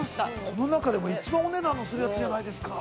この中でも一番お値段のするやつじゃないですか。